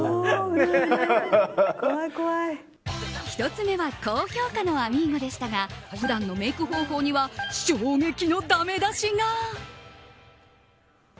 １つ目は高評価のあみーゴでしたが普段のメイク方法には衝撃のだめ出しが。